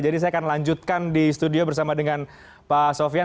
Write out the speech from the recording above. jadi saya akan lanjutkan di studio bersama dengan pak sofyan